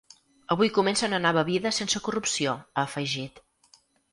Avui comença una nova vida sense corrupció, ha afegit.